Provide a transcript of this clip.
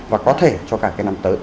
và có thể cho cả cái năm tới